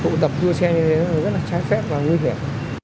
tụ tập đua xe như thế rất là trái phép và nguy hiểm